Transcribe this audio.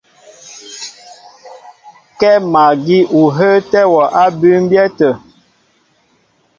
Kɛ́ magí ó hə́ə́tɛ́ wɔ á bʉmbyɛ́ tə̂.